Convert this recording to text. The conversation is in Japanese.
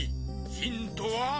ヒントは？